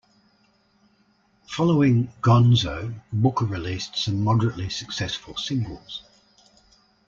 Following "Gonzo", Booker released some moderately successful singles.